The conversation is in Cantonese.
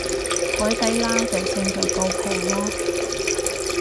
海底撈就勝在夠平囉